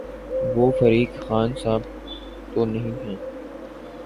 وہ فریق خان صاحب تو نہیں ہیں۔